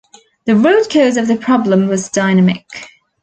The root cause of the problem was dynamic.